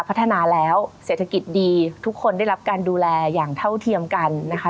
พัฒนาแล้วเศรษฐกิจดีทุกคนได้รับการดูแลอย่างเท่าเทียมกันนะคะ